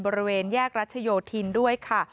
บริเวณแยกรัชโยธินด้วยค่ะ